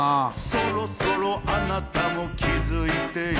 「そろそろあなたも気付いてよ」